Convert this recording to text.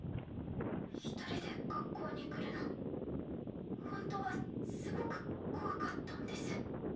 一人で学校に来るのほんとはすごく怖かったんです。